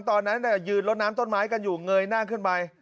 ตอนนั้นยืนลดน้ำต้นไม้กันอยู่เงยหน้าขึ้นไป